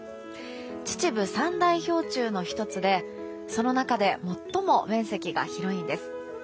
秩父三大氷柱の１つでその中で最も面積が広いんです。